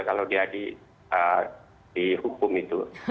kalau dia dihukum itu